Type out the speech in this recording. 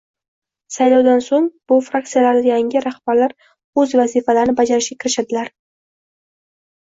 Saylovdan so'ng bu fraktsiyalarda yangi rahbarlar o'z vazifalarini bajarishga kirishadilar